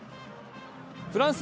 フランス